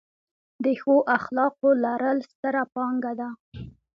د ښو اخلاقو لرل، ستره پانګه ده.